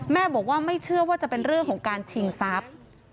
แม่บอกว่าไม่เชื่อว่าจะเป็นเรื่องของการชิงทรัพย์